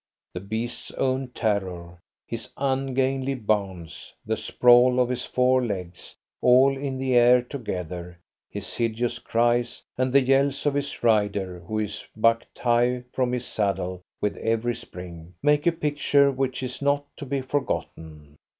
The beast's own terror, his ungainly bounds, the sprawl of his four legs all in the air together, his hideous cries, and the yells of his rider who is bucked high from his saddle with every spring, make a picture which is not to be forgotten.